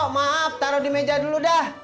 maaf taruh di meja dulu dah